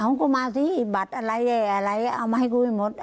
เอาหังกูมาซิบัตรอะไรอะไรเอามาให้คุณหมด